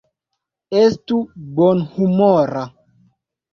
Estu bonhumora.